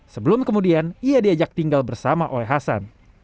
sebelum kemudian ia diajak tinggal bersama oleh hasan